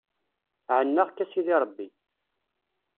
Ɛennaɣ-k a sidi Ṛebbi.